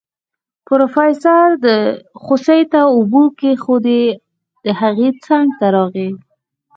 پروفيسر خوسي ته اوبه کېښودې د هغه څنګ ته راغی.